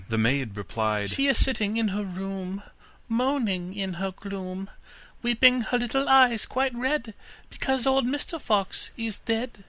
The maid replied: 'She is sitting in her room, Moaning in her gloom, Weeping her little eyes quite red, Because old Mr Fox is dead.